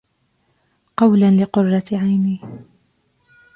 قولا لقرة عيني